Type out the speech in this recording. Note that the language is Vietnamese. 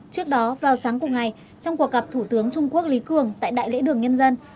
trước đó vào sáng cùng ngày trong cuộc gặp thủ tướng trung quốc lý cường tại đại lễ đường nhân dân